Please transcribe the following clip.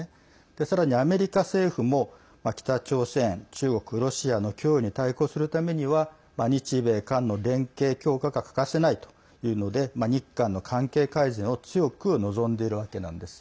さらにアメリカ政府も北朝鮮、中国、ロシアの脅威に対抗するためには日米韓の連携強化が欠かせないというので日韓の関係改善を強く望んでいるわけなんです。